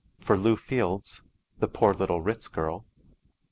For Lew Fields: "The Poor Little Ritz Girl."